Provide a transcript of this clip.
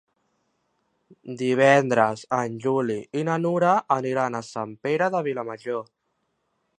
Divendres en Juli i na Nura aniran a Sant Pere de Vilamajor.